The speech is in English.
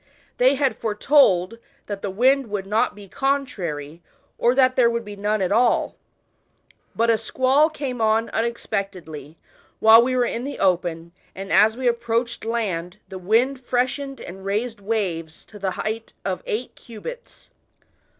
They had foretold, that the wind would not be contrary, or that there would be none at all ; but a squall came on unexpectedly, while we were in the open, and as we approached land the wind freshened and raised waves to the height of eight cubits.